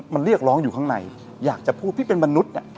มันเรียกร้องอยู่ข้างในอยากจะพูดพี่เป็นมนุษย์